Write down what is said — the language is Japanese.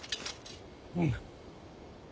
うん。